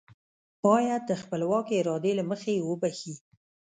بايد د خپلواکې ارادې له مخې يې وبښي.